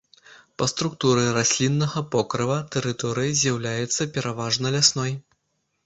Па структуры расліннага покрыва тэрыторыя з'яўляецца пераважна лясной.